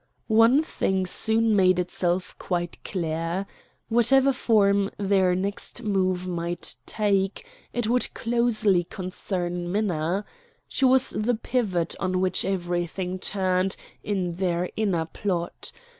One thing soon made itself quite clear. Whatever form their next move might take, it would closely concern Minna. She was the pivot on which everything turned in their inner plot.